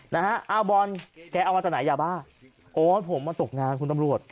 นะฮะอ้าวบอลแกเอามาจากไหนยาบ้าโอ้ยผมมาตกงานคุณตำรวจ